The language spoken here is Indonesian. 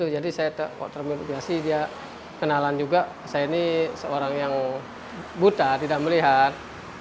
jadi saya terpilih dia kenalan juga saya ini seorang yang buta tidak melihat